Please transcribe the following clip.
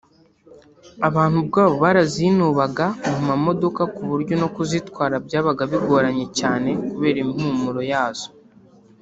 abantu ubwabo barazinubaga mu modoka ku buryo no kuzitwara byabaga bigoranye cyane kubera impumuro yazo